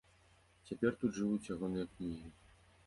Цяпер тут жывуць ягоныя кнігі.